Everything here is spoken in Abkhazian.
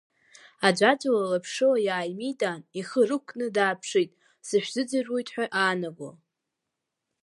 Аӡәаӡәала лаԥшыла иааимидан, ихы рықәкны дааԥшит, сышәзыӡырҩуеит ҳәа аанаго.